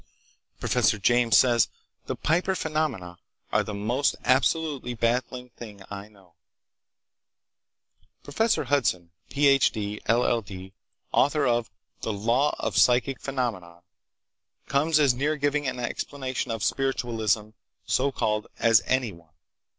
Professor James says: "The Piper phenomena are the most absolutely baffling thing I know." Professor Hudson, Ph.D., LL.D., author of "The Law of Psychic Phenomena," comes as near giving an explanation of "spiritualism," so called, as any one.